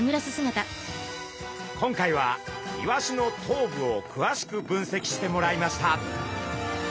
今回はイワシの頭部をくわしく分析してもらいました。